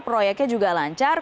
proyeknya juga lancar